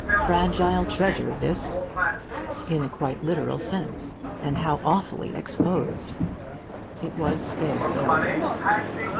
Fragile treasure, this, in a quite literal sense; and how awfully exposed! It was spared, however.